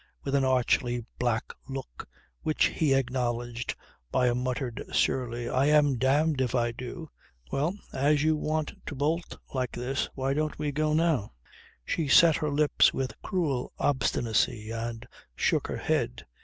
with an archly black look which he acknowledged by a muttered, surly: "I am damned if I do. Well, as you want to bolt like this, why don't we go now?" She set her lips with cruel obstinacy and shook her head.